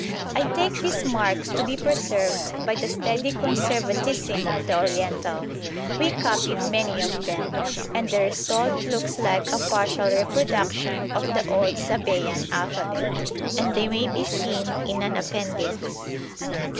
I take these marks to be preserved by the steady conservatism of the Oriental; we copied many of them, and the result looks like a partial reproduction of the old Sabæan alphabet, and they may be seen in an appendix.